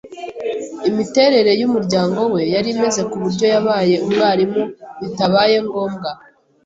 Imiterere yumuryango we yari imeze kuburyo yabaye umwarimu bitabaye ngombwa.